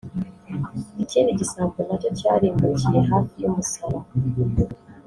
ikindi gisambo na cyo cyarimbukiye hafi y’umusaraba